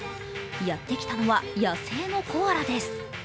やってきたのは野生のコアラです。